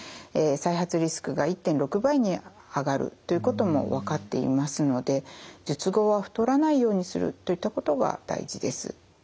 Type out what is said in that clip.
再発リスクが１．６倍に上がるということも分かっていますので術後は太らないようにするといったことが大事です。